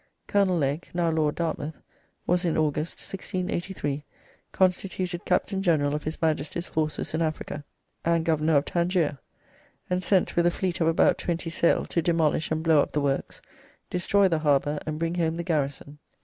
Colonel Legge (now Lord Dartmouth) was in August, 1683, constituted Captain General of his Majesty's forces in Africa, and Governor of Tangier, and sent with a fleet of about twenty sail to demolish and blow up the works, destroy the harbour, and bring home the garrison.